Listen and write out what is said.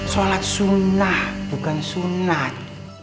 sholat sunnah bukan sunat